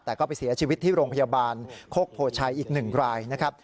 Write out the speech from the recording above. แต่ก็ไปเสียชีวิตที่โรงพยาบาลโคกโพชัยอีก๑รายนะครับ